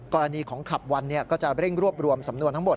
กรณีของคลับวันก็จะเร่งรวบรวมสำนวนทั้งหมด